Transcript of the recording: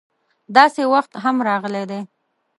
داسې وخت هم راغلی دی.